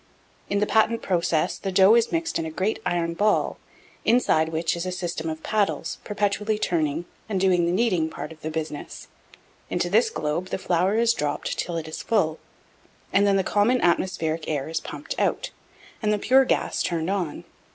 1681. In the patent process, the dough is mixed in a great iron ball, inside which is a system of paddles, perpetually turning, and doing the kneading part of the business. Into this globe the flour is dropped till it is full, and then the common atmospheric air is pumped out, and the pure gas turned on.